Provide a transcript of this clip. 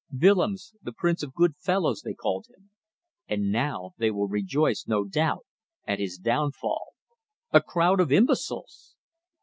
Willems, the prince of good fellows, they called him. And now they will rejoice, no doubt, at his downfall. A crowd of imbeciles.